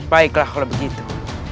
baiklah kalau begitu